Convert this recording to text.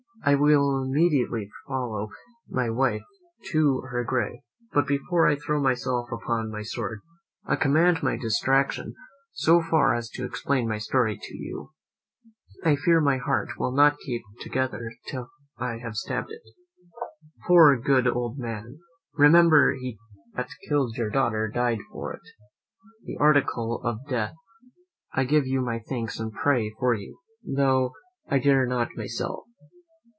I will immediately follow my wife to her grave, but before I throw myself upon my sword, I command my distraction so far as to explain my story to you. I fear my heart will not keep together till I have stabbed it. Poor good old man! Remember, he that killed your daughter died for it. In the article of death, I give you my thanks and pray for you, though I dare not for myself.